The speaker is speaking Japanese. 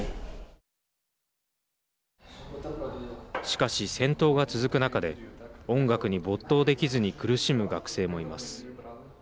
しかし、戦闘が続く中で音楽に没頭できずに苦しむ学生もいます。